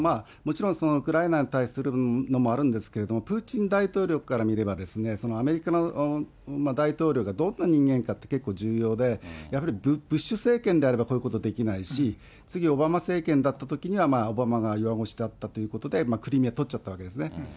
もちろん、ウクライナに対するのもあるんですけれども、プーチン大統領から見れば、アメリカの大統領がどんな人間かって結構重要で、やはりブッシュ政権であれば、こういうことできないし、次、オバマ政権だったときには、オバマが弱腰だったということで、クリミア取っちゃったわけですね。